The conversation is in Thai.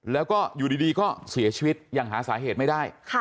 แล้วก็อยู่ดีก็เสียชีวิตยังหาสาเหตุไม่ได้